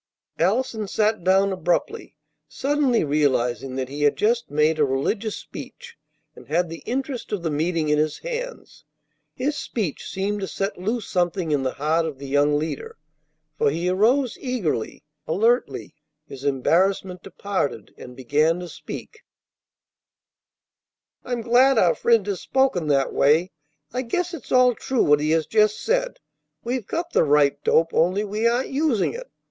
Allison sat down abruptly, suddenly realizing that he had just made a religious speech and had the interest of the meeting in his hands. His speech seemed to set loose something in the heart of the young leader; for he rose eagerly, alertly, his embarrassment departed, and began to speak: "I'm glad our friend has spoken that way. I guess it's all true what he has just said. We've got the right dope; only we aren't using it.